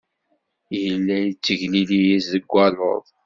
Yella yettegliliz deg waluḍ.